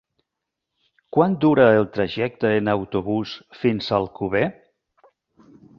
Quant dura el trajecte en autobús fins a Alcover?